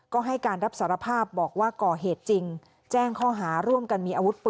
ก็ให้การรับสารภาพบอกว่าก่อเหตุจริงแจ้งข้อหาร่วมกันมีอาวุธปืน